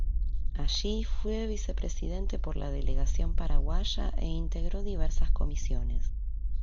Allí fue vicepresidente por la delegación paraguaya e integró diversas comisiones.